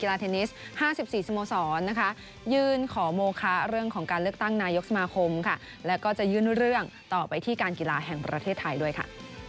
แล้วก็จะยื่นเรื่องต่อไปที่การกีฬาแห่งประเทศไทยด้วยค่ะ